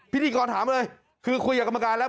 พิธีกรถามเลยคือคุยกับกรรมการแล้ว